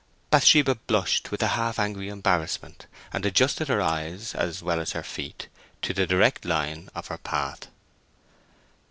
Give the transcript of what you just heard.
Bathsheba blushed with half angry embarrassment, and adjusted her eyes as well as her feet to the direct line of her path.